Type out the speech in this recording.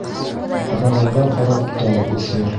Ҡарағайға ҡарап тал үҫер